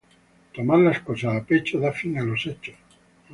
Tomar las cosas a pechos, da fin a los hechos.